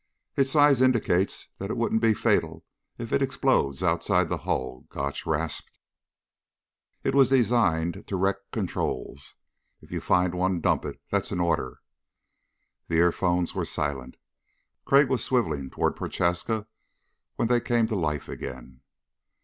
"It's size indicates it wouldn't be fatal if it exploded outside the hull," Gotch rasped. "It was designed to wreck controls. If you find one, dump it. That's an order." The earphones were silent. Crag was swiveling toward Prochaska when they came to life again.